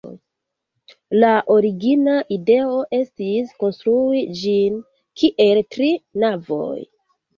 La origina ideo estis konstrui ĝin kiel tri navoj.